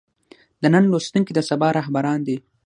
د نن لوستونکي د سبا رهبران دي.